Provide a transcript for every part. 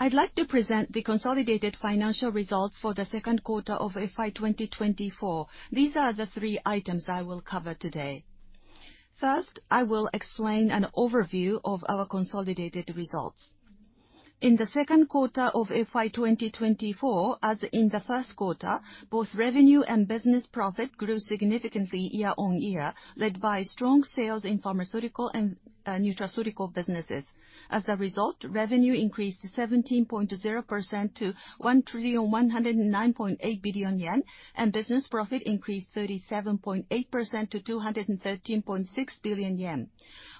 I'd like to present the consolidated financial results for the second quarter of FY 2024. These are the three items I will cover today. First, I will explain an overview of our consolidated results. In the second quarter of FY 2024, as in the first quarter, both revenue and business profit grew significantly year-on-year, led by strong sales in pharmaceutical and nutraceutical businesses. As a result, revenue increased 17.0% to 1,109.8 billion yen, and business profit increased 37.8% to 213.6 billion yen.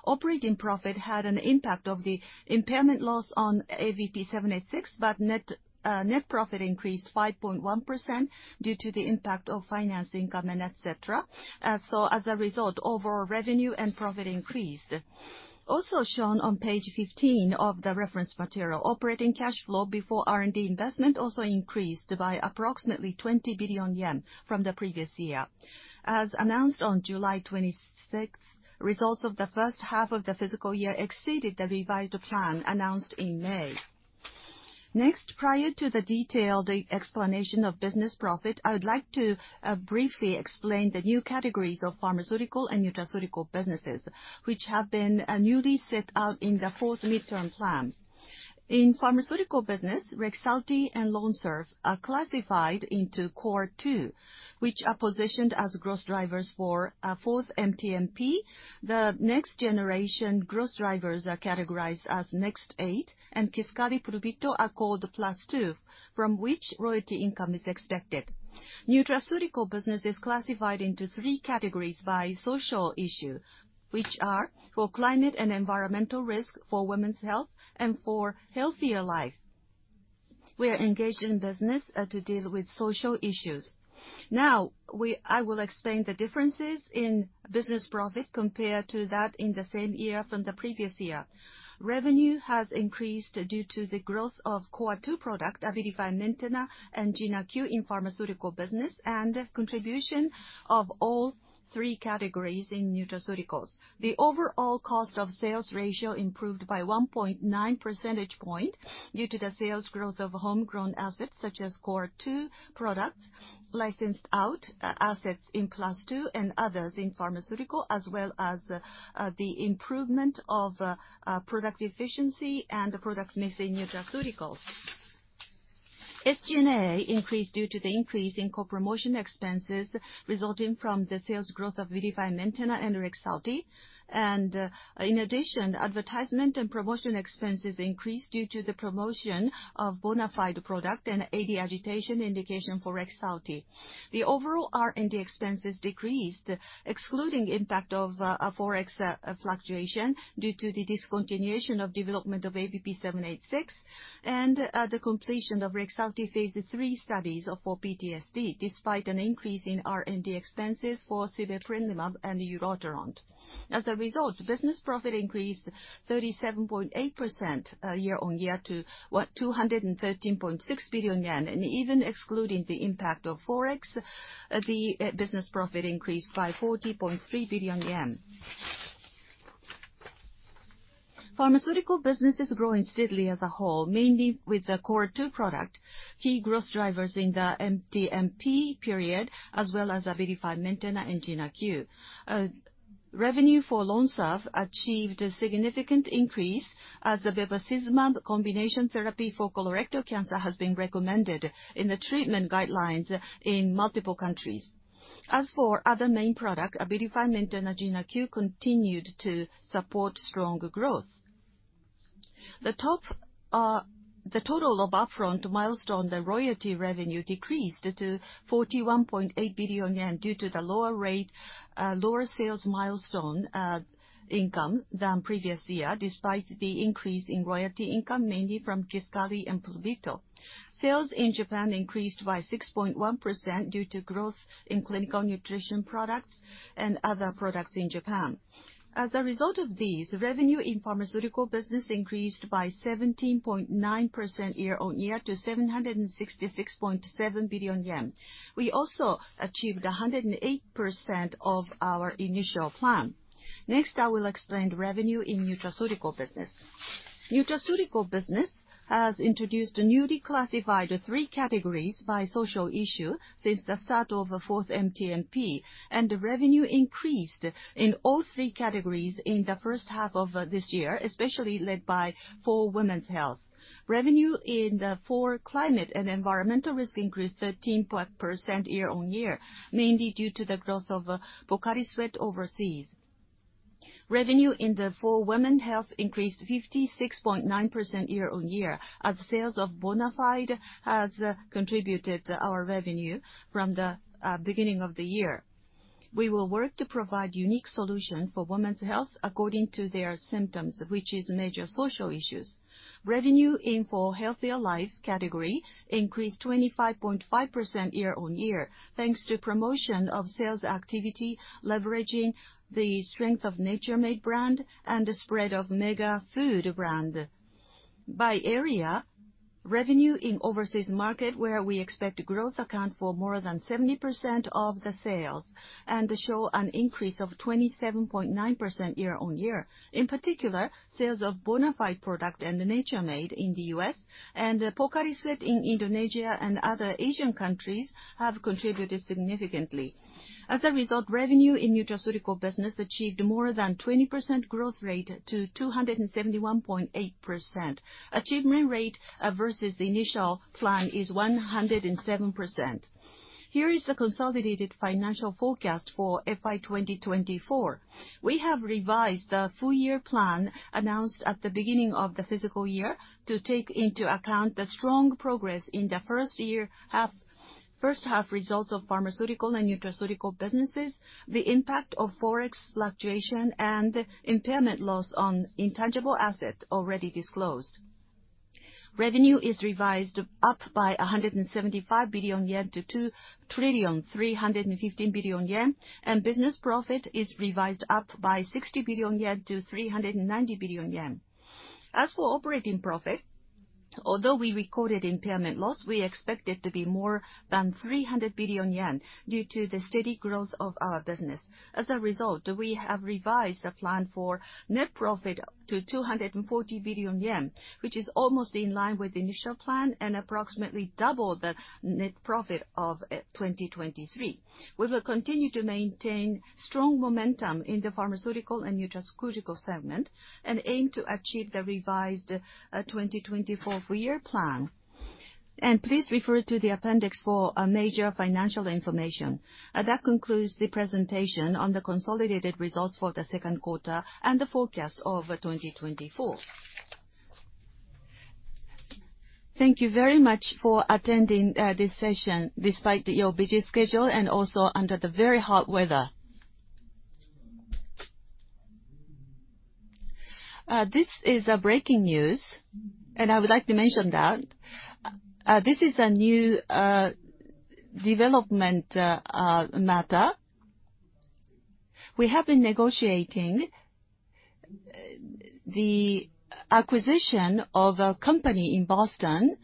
Operating profit had an impact of the impairment loss on AVP-786, but net profit increased 5.1% due to the impact of finance income and et cetera. As a result, overall revenue and profit increased. Also shown on page 15 of the reference material, operating cash flow before R&D investment also increased by approximately 20 billion yen from the previous year. As announced on July 26th, results of the first half of the fiscal year exceeded the revised plan announced in May. Prior to the detailed explanation of business profit, I would like to briefly explain the new categories of pharmaceutical and nutraceutical businesses, which have been newly set out in the fourth MTMP. In pharmaceutical business, REXULTI and LONSURF are classified into Core 2, which are positioned as growth drivers for fourth MTMP. The next generation growth drivers are categorized as Next 8, and Qsymia, Pluvicto are called Plus 2, from which royalty income is expected. Nutraceutical business is classified into three categories by social issue, which are For Climate and Environmental Risk, For Women's Health, and For Healthier Life. We are engaged in business to deal with social issues. I will explain the differences in business profit compared to that in the same year from the previous year. Revenue has increased due to the growth of Core 2 product, ABILIFY MAINTENA, and JYNARQUE in pharmaceutical business, and contribution of all three categories in nutraceuticals. The overall cost of sales ratio improved by 1.9 percentage point due to the sales growth of homegrown assets such as Core 2 products, licensed-out assets in Class II, and others in pharmaceutical, as well as the improvement of product efficiency and product mix in nutraceuticals. SG&A increased due to the increase in co-promotion expenses resulting from the sales growth of ABILIFY MAINTENA and REXULTI. In addition, advertisement and promotion expenses increased due to the promotion of Bonafide product and AD agitation indication for REXULTI. The overall R&D expenses decreased, excluding impact of forex fluctuation, due to the discontinuation of development of AVP-786 and the completion of REXULTI phase III studies for PTSD, despite an increase in R&D expenses for civiprilimab and ulotaront. As a result, business profit increased 37.8% year-on-year to 213.6 billion yen. Even excluding the impact of forex, the business profit increased by 40.3 billion yen. Pharmaceutical business is growing steadily as a whole, mainly with the Core 2 product, key growth drivers in the MTMP period, as well as ABILIFY MAINTENA and JYNARQUE. Revenue for LONSURF achieved a significant increase as the bevacizumab combination therapy for colorectal cancer has been recommended in the treatment guidelines in multiple countries. As for other main products, ABILIFY MAINTENA and JYNARQUE continued to support strong growth. The total of upfront milestone to royalty revenue decreased to 41.8 billion yen due to the lower sales milestone income than previous year, despite the increase in royalty income, mainly from Qsymia and Pluvicto. Sales in Japan increased by 6.1% due to growth in clinical nutrition products and other products in Japan. As a result of this, revenue in pharmaceutical business increased by 17.9% year-on-year to 766.7 billion yen. We also achieved 108% of our initial plan. I will explain revenue in nutraceutical business. Nutraceutical business has introduced a newly classified 3 categories by social issue since the start of the fourth MTMP, and revenue increased in all 3 categories in the first half of this year, especially led by For Women's Health. Revenue in the For Climate and Environmental Risk increased 13% year-on-year, mainly due to the growth of POCARI SWEAT overseas. Revenue in the For Women's Health increased 56.9% year-on-year, as sales of Bonafide has contributed to our revenue from the beginning of the year. We will work to provide unique solutions for women's health according to their symptoms, which is major social issues. Revenue in For Healthier Life category increased 25.5% year-on-year, thanks to promotion of sales activity, leveraging the strength of Nature Made brand and the spread of MegaFood brand. By area, revenue in overseas market, where we expect growth account for more than 70% of the sales and show an increase of 27.9% year-on-year. In particular, sales of Bonafide product and Nature Made in the U.S. and POCARI SWEAT in Indonesia and other Asian countries have contributed significantly. As a result, revenue in nutraceutical business achieved more than 20% growth rate to 271.8 billion. Achievement rate versus the initial plan is 107%. Here is the consolidated financial forecast for FY 2024. We have revised the full year plan announced at the beginning of the fiscal year to take into account the strong progress in the first half results of pharmaceutical and nutraceutical businesses, the impact of forex fluctuation, and impairment loss on intangible asset already disclosed. Revenue is revised up by 175 billion yen to 1,315 billion yen, and business profit is revised up by 60 billion yen to 390 billion yen. As for operating profit, although we recorded impairment loss, we expect it to be more than 300 billion yen due to the steady growth of our business. As a result, we have revised the plan for net profit to 240 billion yen, which is almost in line with the initial plan and approximately double the net profit of 2023. We will continue to maintain strong momentum in the pharmaceutical and nutraceutical segment and aim to achieve the revised 2024 full year plan. Please refer to the appendix for major financial information. That concludes the presentation on the consolidated results for the second quarter and the forecast of 2024. Thank you very much for attending this session despite your busy schedule and also under the very hot weather. This is a breaking news, I would like to mention that this is a new development matter. We have been negotiating the acquisition of a company in Boston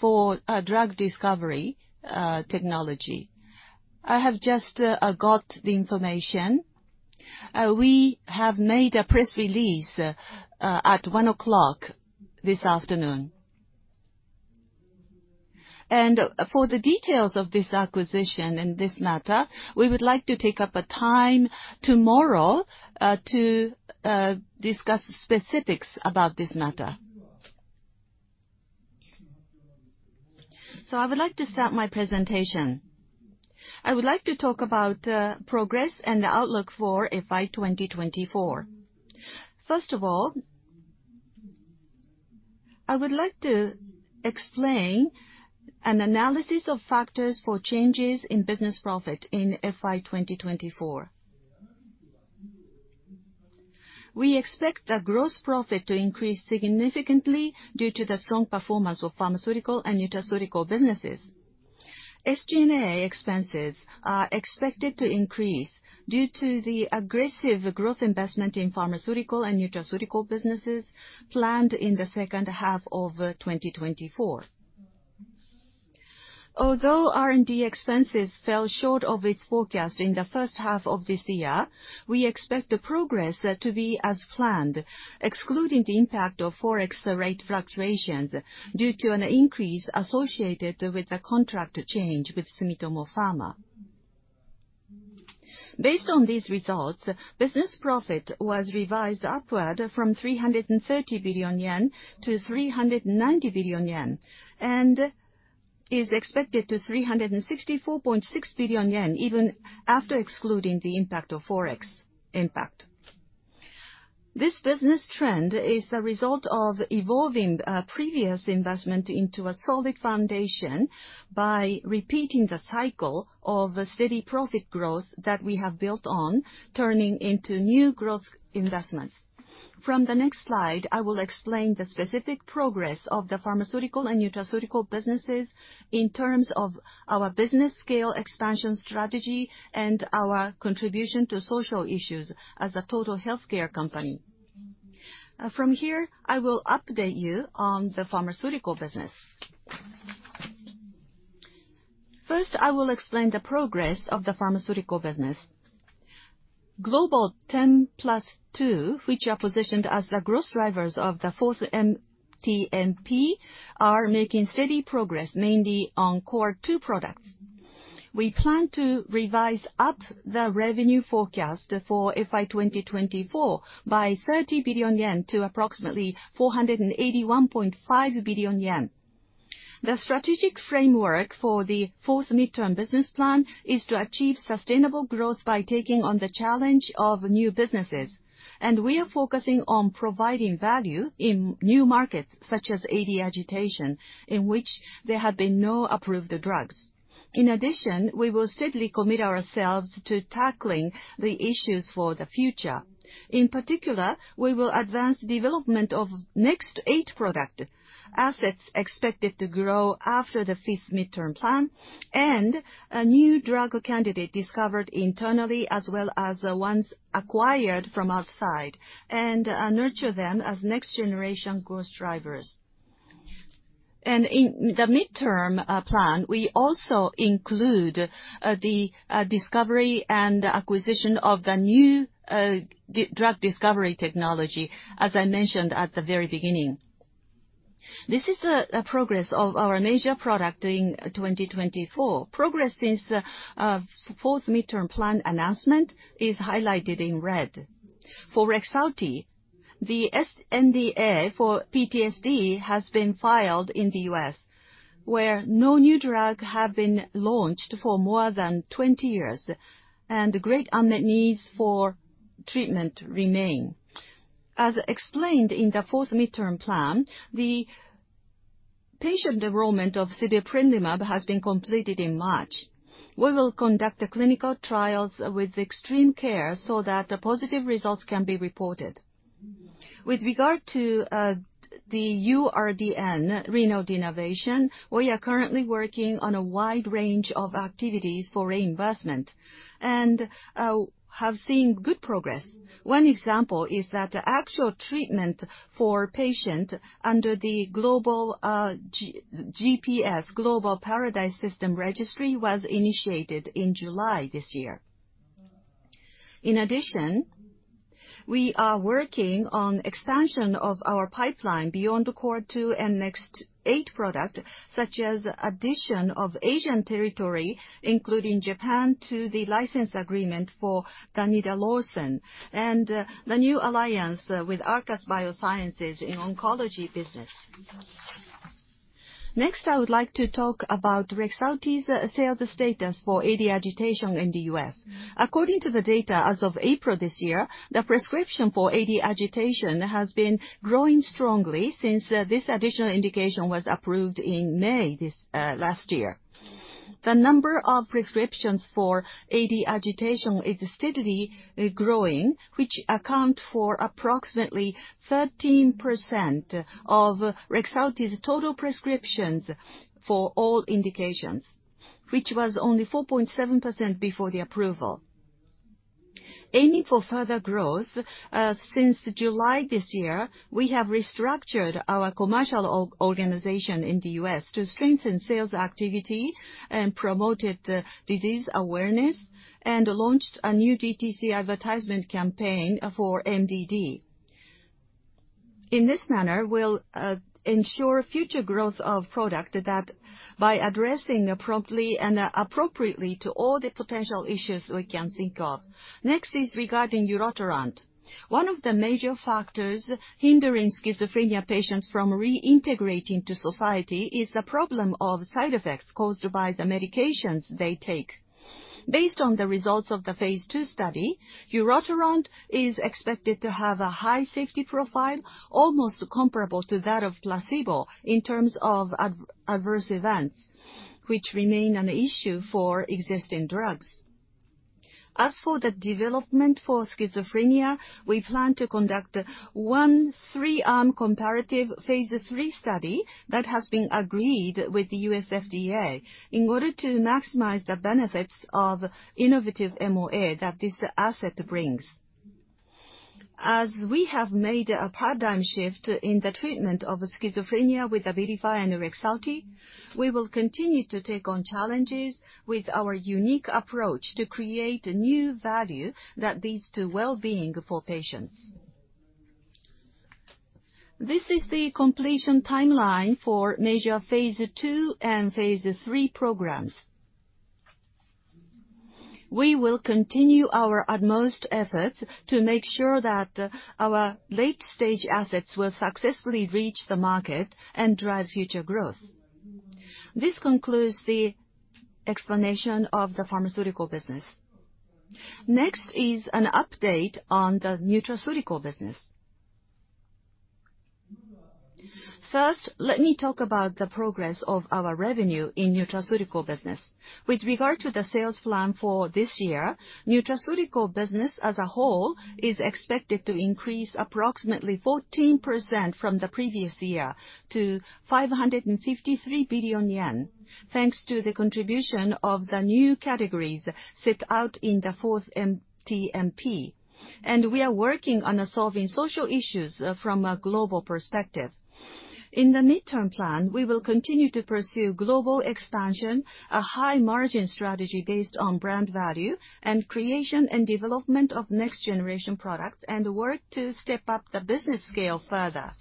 for drug discovery technology. I have just got the information. We have made a press release at 1:00 P.M. this afternoon. For the details of this acquisition and this matter, we would like to take up a time tomorrow to discuss specifics about this matter. I would like to start my presentation. I would like to talk about progress and the outlook for FY 2024. First of all, I would like to explain an analysis of factors for changes in business profit in FY 2024. We expect the gross profit to increase significantly due to the strong performance of pharmaceutical and nutraceutical businesses. SG&A expenses are expected to increase due to the aggressive growth investment in pharmaceutical and nutraceutical businesses planned in the second half of 2024. Although R&D expenses fell short of its forecast in the first half of this year, we expect the progress to be as planned, excluding the impact of Forex rate fluctuations due to an increase associated with the contract change with Sumitomo Pharma. Based on these results, business profit was revised upward from 330 billion yen to 390 billion yen, and is expected to 364.6 billion yen even after excluding the impact of Forex impact. This business trend is a result of evolving previous investment into a solid foundation by repeating the cycle of steady profit growth that we have built on, turning into new growth investments. From the next slide, I will explain the specific progress of the pharmaceutical and nutraceutical businesses in terms of our business scale expansion strategy and our contribution to social issues as a total healthcare company. From here, I will update you on the pharmaceutical business. First, I will explain the progress of the pharmaceutical business. Global 10 Plus 2, which are positioned as the growth drivers of the fourth MTMP, are making steady progress, mainly on Core 2 products. We plan to revise up the revenue forecast for FY 2024 by 30 billion yen to approximately 481.5 billion yen. The strategic framework for the fourth midterm business plan is to achieve sustainable growth by taking on the challenge of new businesses, and we are focusing on providing value in new markets such as AD agitation, in which there have been no approved drugs. In addition, we will steadily commit ourselves to tackling the issues for the future. In particular, we will advance development of Next 8 product assets expected to grow after the fifth midterm plan and a new drug candidate discovered internally as well as the ones acquired from outside and nurture them as next generation growth drivers. In the midterm plan, we also include the discovery and acquisition of the new drug discovery technology, as I mentioned at the very beginning. This is the progress of our major product in 2024. Progress since fourth midterm plan announcement is highlighted in red. For REXULTI, the SNDA for PTSD has been filed in the U.S., where no new drug have been launched for more than 20 years, and great unmet needs for treatment remain. As explained in the fourth midterm plan, the patient enrollment of civiprilimab has been completed in March. We will conduct the clinical trials with extreme care so that the positive results can be reported. With regard to the RDN, renal denervation, we are currently working on a wide range of activities for reinvestment and have seen good progress. One example is that the actual treatment for patient under the global GPS, Global Paradise System registry, was initiated in July this year. In addition, we are working on expansion of our pipeline beyond the Core 2 and Next 8 product, such as addition of Asian territory, including Japan, to the license agreement for danidarixon, and the new alliance with Arcus Biosciences in oncology business. Next, I would like to talk about REXULTI's sales status for AD agitation in the U.S. According to the data as of April this year, the prescription for AD agitation has been growing strongly since this additional indication was approved in May last year. The number of prescriptions for AD agitation is steadily growing, which account for approximately 13% of REXULTI's total prescriptions for all indications, which was only 4.7% before the approval. Aiming for further growth, since July this year, we have restructured our commercial organization in the U.S. to strengthen sales activity and promoted disease awareness and launched a new DTC advertisement campaign for MDD. In this manner, we'll ensure future growth of product by addressing promptly and appropriately to all the potential issues we can think of. Next is regarding ulotaront. One of the major factors hindering schizophrenia patients from reintegrating to society is the problem of side effects caused by the medications they take. Based on the results of the phase II study, ulotaront is expected to have a high safety profile, almost comparable to that of placebo in terms of adverse events, which remain an issue for existing drugs. As for the development for schizophrenia, we plan to conduct one three-arm comparative phase III study that has been agreed with the U.S. FDA in order to maximize the benefits of innovative MOA that this asset brings. As we have made a paradigm shift in the treatment of schizophrenia with ABILIFY and REXULTI, we will continue to take on challenges with our unique approach to create a new value that leads to wellbeing for patients. This is the completion timeline for major phase II and phase III programs. We will continue our utmost efforts to make sure that our late stage assets will successfully reach the market and drive future growth. This concludes the explanation of the pharmaceutical business. Next is an update on the nutraceutical business. First, let me talk about the progress of our revenue in nutraceutical business. With regard to the sales plan for this year, nutraceutical business as a whole is expected to increase approximately 14% from the previous year to 553 billion yen, thanks to the contribution of the new categories set out in the fourth MTMP. We are working on solving social issues from a global perspective. In the midterm plan, we will continue to pursue global expansion, a high margin strategy based on brand value and creation and development of next generation products and work to step up the business scale further.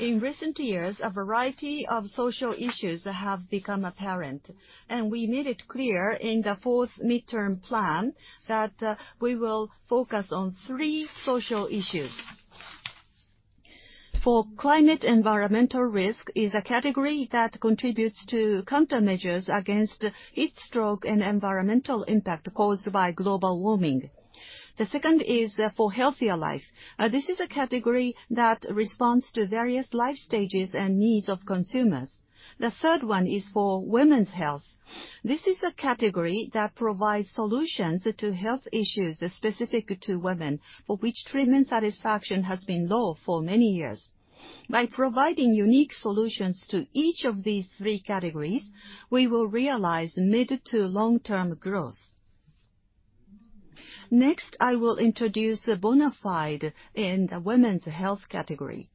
In recent years, a variety of social issues have become apparent, and we made it clear in the fourth midterm plan that we will focus on three social issues. For climate, environmental risk is a category that contributes to countermeasures against heat stroke and environmental impact caused by global warming. The second is for healthier life. This is a category that responds to various life stages and needs of consumers. The third one is for women's health. This is a category that provides solutions to health issues specific to women, for which treatment satisfaction has been low for many years. By providing unique solutions to each of these three categories, we will realize mid to long-term growth. Next, I will introduce Bonafide in the women's health category.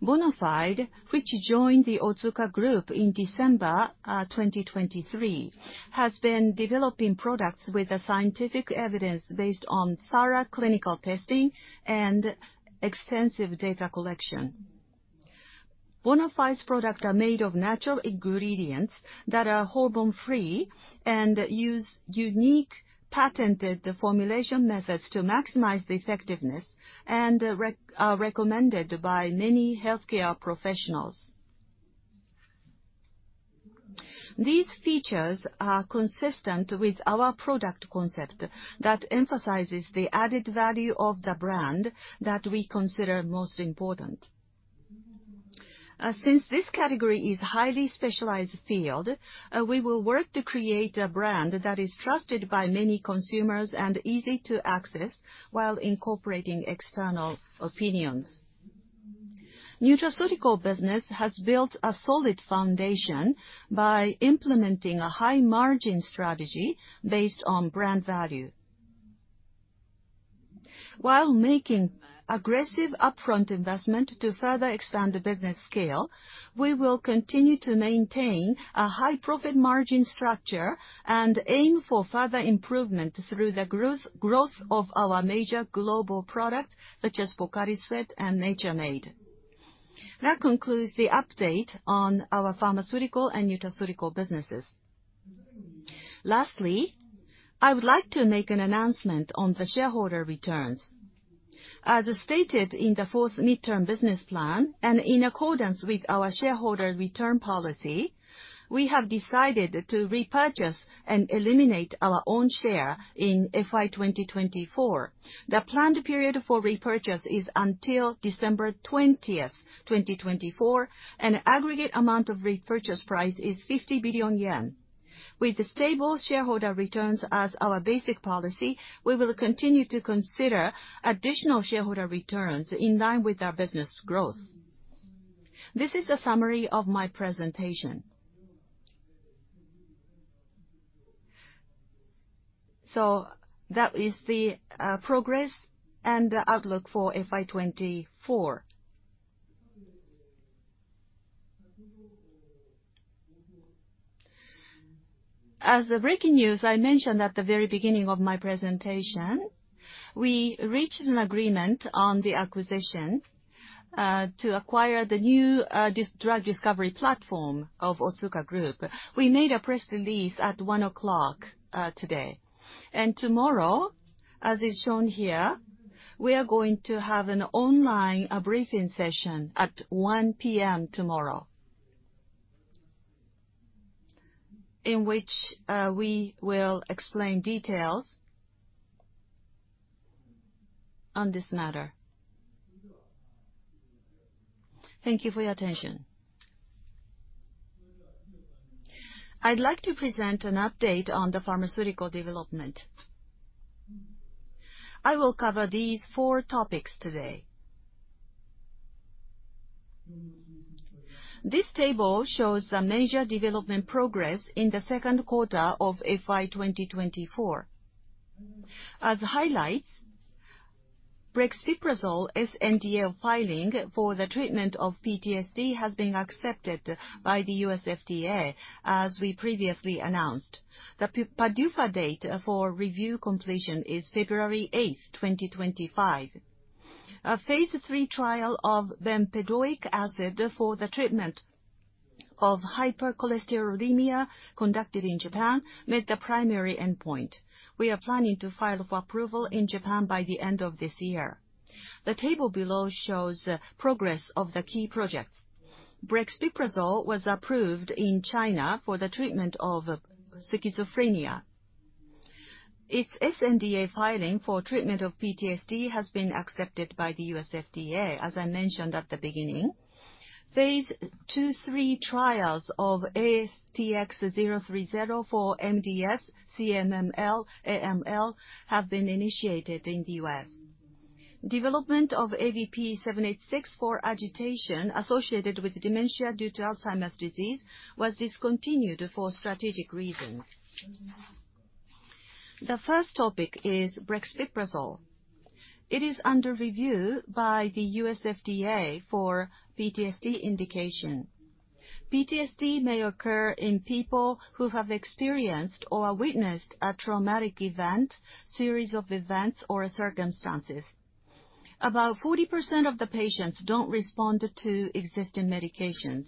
Bonafide, which joined the Otsuka Group in December 2023, has been developing products with scientific evidence based on thorough clinical testing and extensive data collection. Bonafide's products are made of natural ingredients that are hormone-free and use unique patented formulation methods to maximize the effectiveness, and are recommended by many healthcare professionals. These features are consistent with our product concept that emphasizes the added value of the brand that we consider most important. Since this category is a highly specialized field, we will work to create a brand that is trusted by many consumers and easy to access while incorporating external opinions. Nutriceutical business has built a solid foundation by implementing a high-margin strategy based on brand value. While making aggressive upfront investment to further expand the business scale, we will continue to maintain a high profit margin structure and aim for further improvement through the growth of our major global products, such as POCARI SWEAT and Nature Made. That concludes the update on our pharmaceutical and Nutriceutical businesses. Lastly, I would like to make an announcement on the shareholder returns. As stated in the fourth midterm business plan and in accordance with our shareholder return policy, we have decided to repurchase and eliminate our own share in FY 2024. The planned period for repurchase is until December 20th, 2024, and aggregate amount of repurchase price is 50 billion yen. With stable shareholder returns as our basic policy, we will continue to consider additional shareholder returns in line with our business growth. This is a summary of my presentation. That is the progress and outlook for FY 2024. As breaking news, I mentioned at the very beginning of my presentation, we reached an agreement on the acquisition to acquire the new drug discovery platform of Otsuka Group. We made a press release at 1:00 today. Tomorrow, as is shown here, we are going to have an online briefing session at 1:00 P.M. tomorrow, in which we will explain details on this matter. Thank you for your attention. I'd like to present an update on the pharmaceutical development. I will cover these four topics today. This table shows the major development progress in the second quarter of FY 2024. As highlights, brexpiprazole SNDA filing for the treatment of PTSD has been accepted by the U.S. FDA, as we previously announced. The PDUFA date for review completion is February 8th, 2025. A phase III trial of bempedoic acid for the treatment of hypercholesterolemia conducted in Japan met the primary endpoint. We are planning to file for approval in Japan by the end of this year. The table below shows progress of the key projects. Brexpiprazole was approved in China for the treatment of schizophrenia. Its SNDA filing for treatment of PTSD has been accepted by the U.S. FDA, as I mentioned at the beginning. Phase II, III trials of ASTX030 for MDS/CMML/AML have been initiated in the U.S. Development of AVP-786 for agitation associated with dementia due to Alzheimer's disease was discontinued for strategic reasons. The first topic is brexpiprazole. It is under review by the U.S. FDA for PTSD indication. PTSD may occur in people who have experienced or witnessed a traumatic event, series of events, or circumstances. About 40% of the patients don't respond to existing medications.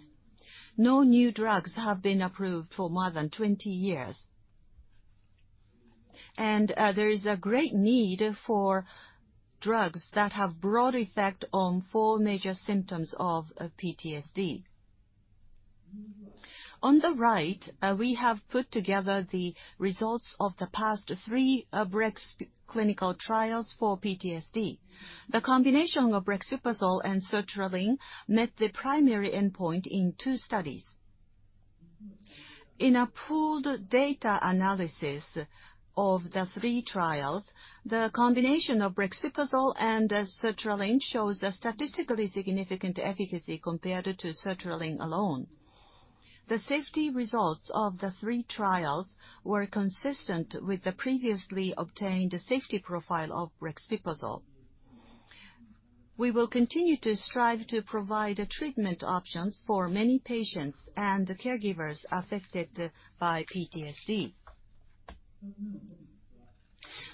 No new drugs have been approved for more than 20 years. There is a great need for drugs that have broad effect on four major symptoms of PTSD. On the right, we have put together the results of the past three brex clinical trials for PTSD. The combination of brexpiprazole and sertraline met the primary endpoint in two studies. In a pooled data analysis of the three trials, the combination of brexpiprazole and sertraline shows a statistically significant efficacy compared to sertraline alone. The safety results of the three trials were consistent with the previously obtained safety profile of brexpiprazole. We will continue to strive to provide treatment options for many patients and the caregivers affected by PTSD.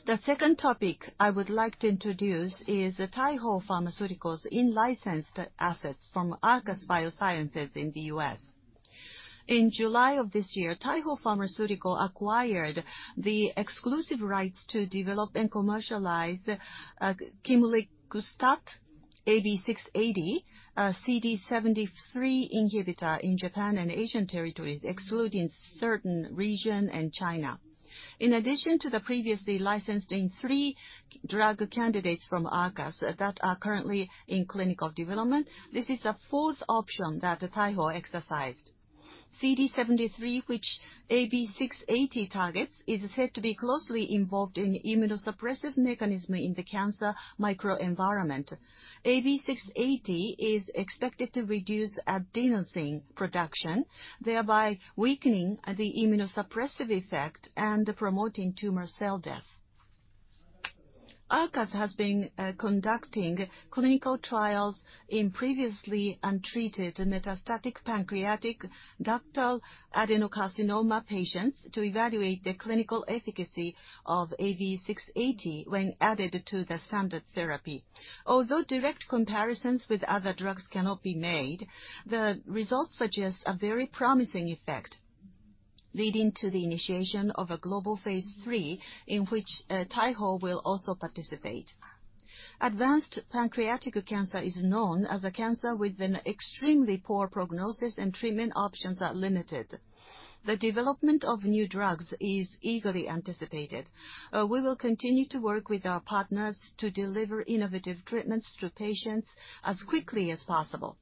The second topic I would like to introduce is Taiho Pharmaceutical's in-licensed assets from Arcus Biosciences in the U.S. In July of this year, Taiho Pharmaceutical acquired the exclusive rights to develop and commercialize quemliclustat, AB680, a CD73 inhibitor in Japan and Asian territories, excluding certain regions in China. In addition to the previously licensed three drug candidates from Arcus that are currently in clinical development, this is a fourth option that Taiho exercised. CD73, which AB680 targets, is said to be closely involved in immunosuppressive mechanism in the cancer microenvironment. AB680 is expected to reduce adenosine production, thereby weakening the immunosuppressive effect and promoting tumor cell death. Arcus has been conducting clinical trials in previously untreated metastatic pancreatic ductal adenocarcinoma patients to evaluate the clinical efficacy of AB680 when added to the standard therapy. Although direct comparisons with other drugs cannot be made, the results suggest a very promising effect, leading to the initiation of a global phase III in which Taiho will also participate. Advanced pancreatic cancer is known as a cancer with an extremely poor prognosis and treatment options are limited. The development of new drugs is eagerly anticipated. We will continue to work with our partners to deliver innovative treatments to patients as quickly as possible.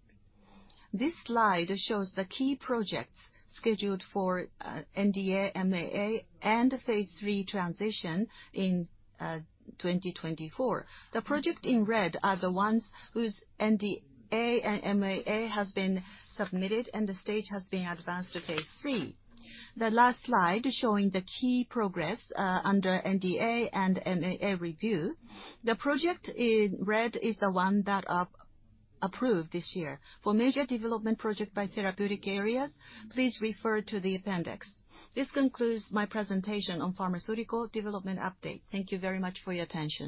This slide shows the key projects scheduled for NDA, MAA, and phase III transition in 2024. The projects in red are the ones whose NDA and MAA has been submitted and the stage has been advanced to phase III. The last slide showing the key progress under NDA and MAA review. The project in red is the one that approved this year. For major development project by therapeutic areas, please refer to the appendix. This concludes my presentation on pharmaceutical development update. Thank you very much for your attention.